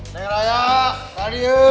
neng raya radio